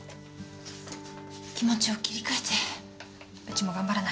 気持ちを切り替えてうちも頑張らないと。